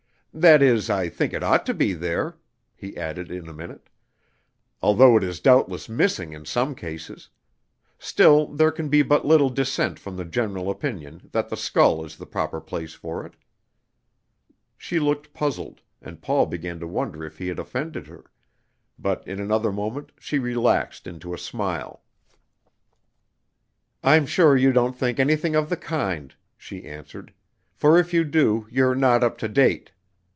"That is, I think it ought to be there," he added in a minute, "although it is doubtless missing in some cases. Still, there can be but little dissent from the general opinion that the skull is the proper place for it." She looked puzzled, and Paul began to wonder if he had offended her, but in another moment she relaxed into a smile. "I'm sure you don't think anything of the kind," she answered, "for if you do, you're not up to date.